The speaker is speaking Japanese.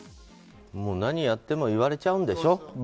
何やっても言われちゃうんでしょ。